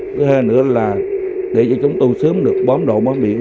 cứ hơn nữa là để cho chúng tu sớm được bóm độ bóm biển